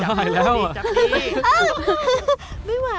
ไม่ไหวอะ